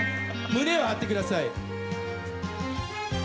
胸を張ってください。